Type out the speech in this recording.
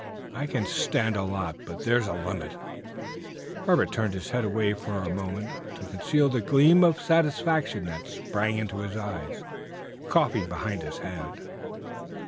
I can stand a lot, but there's a limit." Herbert turned his head away for a moment to conceal the gleam of satisfaction that sprang into his eyes, coughing behind his hand.